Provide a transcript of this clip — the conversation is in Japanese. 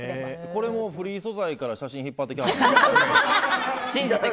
これもフリー素材から写真、引っ張ってきはった？